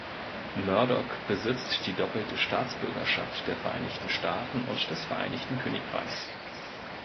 Murdoch besitzt die doppelte Staatsbürgerschaft der Vereinigten Staaten und des Vereinigten Königreichs.